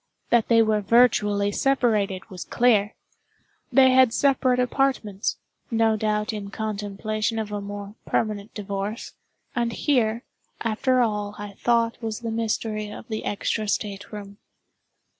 That they were virtually separated was clear. They had separate apartments—no doubt in contemplation of a more permanent divorce; and here, after all I thought was the mystery of the extra state room.